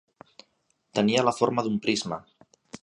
Tenia la forma d'un prisma.